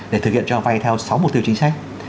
để thực hiện cho vay theo sáu mục tiêu chính sách